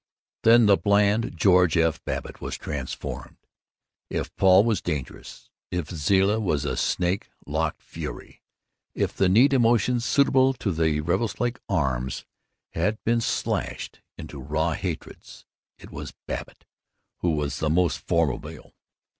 Then the bland George F. Babbitt was transformed. If Paul was dangerous, if Zilla was a snake locked fury, if the neat emotions suitable to the Revelstoke Arms had been slashed into raw hatreds, it was Babbitt who was the most formidable.